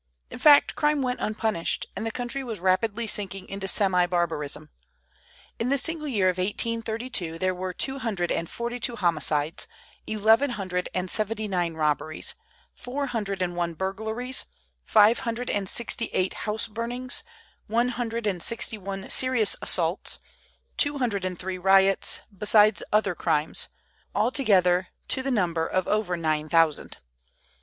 In fact, crime went unpunished, and the country was rapidly sinking into semi barbarism. In the single year of 1832 there were two hundred and forty two homicides, eleven hundred and seventy nine robberies, four hundred and one burglaries, five hundred and sixty eight house burnings, one hundred and sixty one serious assaults, two hundred and three riots, besides other crimes, altogether to the number of over nine thousand.